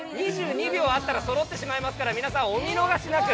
２２秒あったらそろってしまいますから、皆さん、お見逃しなく。